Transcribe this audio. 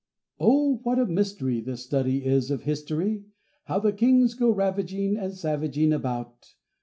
OH! what a mystery The study is of history! How the kings go ravaging And savaging about!